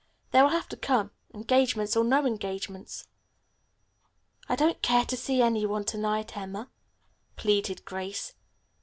They will have to come, engagements or no engagements." "I don't care to see any one to night, Emma," pleaded Grace.